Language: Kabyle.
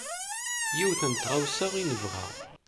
Yiwet n tɣawsa i nebɣa.